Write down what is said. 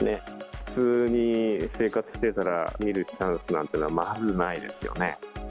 普通に生活してたら、見るチャンスなんていうのはまずないですよね。